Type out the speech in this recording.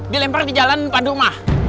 dilempar di jalan pad rumah